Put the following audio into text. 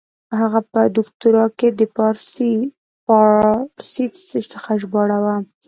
هغه په دوکتورا کښي د پاړسي څخه ژباړه وه.